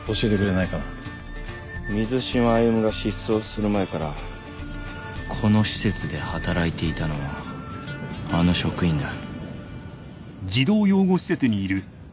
水島歩が失踪する前からこの施設で働いていたのはあの職員だ。